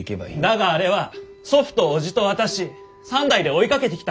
だがあれは祖父と叔父と私３代で追いかけてきた花なんです！